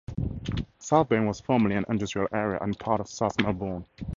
Southbank was formerly an industrial area and part of South Melbourne.